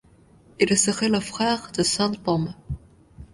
Il serait le frère de sainte Pome.